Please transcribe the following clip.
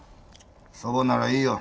そばならいいよ。